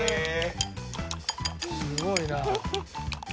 すごいな。